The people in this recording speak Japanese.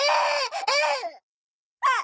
あっ！